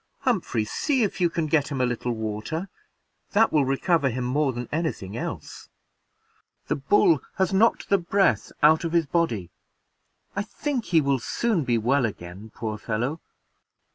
Humphrey, see if you can get him a little water, that will recover him more than any thing else; the bull has knocked the breath out of his body. I think he will soon be well again, poor fellow."